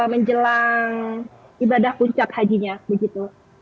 menjelang ibadah puncak hajinya begitu